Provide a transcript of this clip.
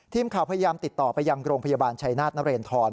ทีมข่าวพยายามติดต่อไปยังโรงพยาบาลชัยนาธนเรนทร